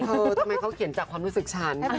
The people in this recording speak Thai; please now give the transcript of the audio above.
ทำไมเขาเขียนจากความรู้สึกฉัน